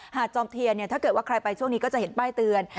จอมเทียนถ้าเกิดว่าใครไปช่วงนี้ก็จะเห็นป้ายเตือน